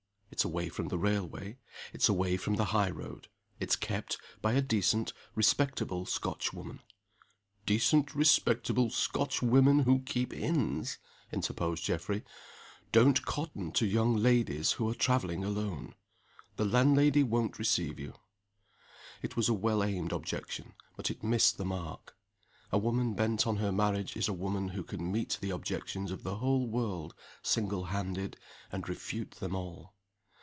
It's away from the railway; it's away from the high road: it's kept by a decent, respectable Scotchwoman " "Decent, respectable Scotchwomen who keep inns," interposed Geoffrey, "don't cotton to young ladies who are traveling alone. The landlady won't receive you." It was a well aimed objection but it missed the mark. A woman bent on her marriage is a woman who can meet the objections of the whole world, single handed, and refute them all.